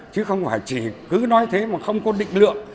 chứ không phải chỉ cứ nói thế mà không có định lượng